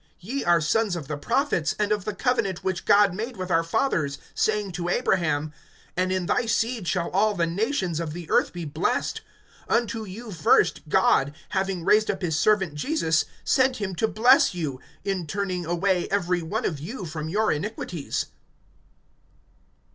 (25)Ye are sons of the prophets, and of the covenant which God made with our fathers, saying to Abraham: And in thy seed shall all the nations of the earth be blessed. (26)Unto you first, God, having raised up his servant Jesus, sent him to bless you, in turning away every one of you from your iniquities.